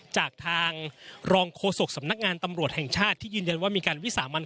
จากทางรองโฆษกสำนักงานตำรวจแห่งชาติที่ยืนยันว่ามีการวิสามัน